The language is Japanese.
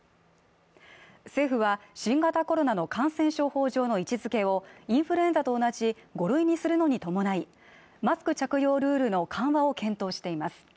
政府は新型コロナの感染症法上の位置づけをインフルエンザと同じ５類にするのに伴いマスク着用ルールの緩和を検討しています